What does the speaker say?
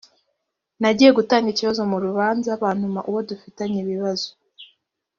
nagiye gutanga ikibazo mu rubanza bantuma uwo dufitanye ibibazo